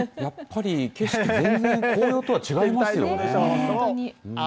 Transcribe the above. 景色、全然紅葉とは違いますよね。